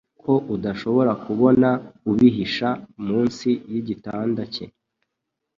ko udashobora kubona ubihisha munsi yigitanda cye